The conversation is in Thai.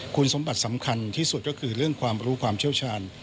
คุณสมบัติสำคัญที่สุดก็คือเรื่องความรู้ความเชี่ยวชาญ